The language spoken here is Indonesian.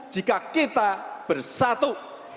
jika kita bersatu